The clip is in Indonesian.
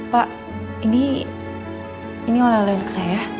pak ini ini oleh oleh untuk saya